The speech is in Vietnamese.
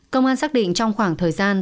công an xác định trong khoảng thời gian